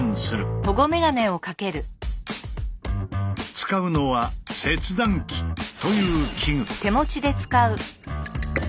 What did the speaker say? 使うのは「切断機」という機具。